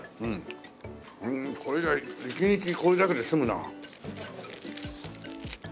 これで一日これだけで済むな。